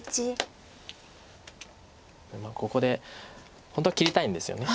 ここで本当は切りたいんですよね。